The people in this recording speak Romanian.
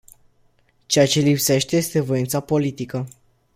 Ceea ce lipsește este voința politică.